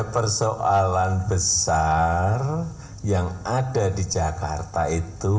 persoalan besar yang ada di jakarta itu